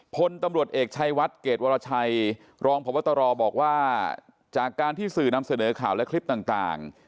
พลตำรวจเอกชัยวัดเกรดวรชัยรองพบตรบอกว่าจากการที่สื่อนำเสนอข่าวและคลิปต่าง